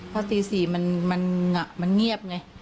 เพราะตี๔มันเงียบไง